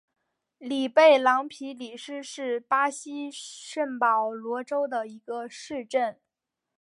里贝朗皮里斯是巴西圣保罗州的一个市镇。